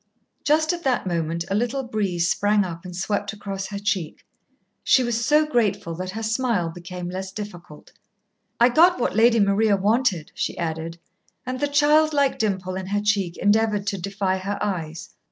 Just at that moment a little breeze sprang up and swept across her cheek. She was so grateful that her smile became less difficult. "I got what Lady Maria wanted," she added, and the childlike dimple in her cheek endeavoured to defy her eyes.